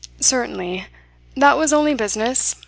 "Certainly. That was only business.